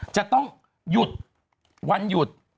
จะต้องหยุดวันหยุด